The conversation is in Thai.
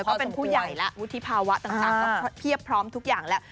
เขาเป็นผู้ใหญ่แล้ววุฒิภาวะต่างก็เพียบพร้อมทุกอย่างแล้ว